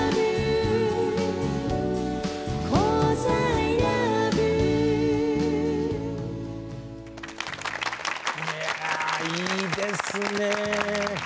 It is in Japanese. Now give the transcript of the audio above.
いやいいですね！